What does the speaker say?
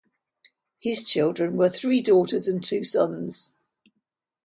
His children were three daughters and two sons.